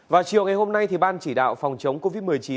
vào chiều ngày hôm nay ban chỉ đạo phòng chống covid một mươi chín